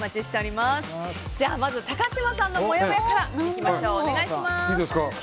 まず高嶋さんのもやもやからいきましょう。